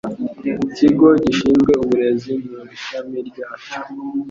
ikigo Gishinzwe Uburezi mu ishami ryacyo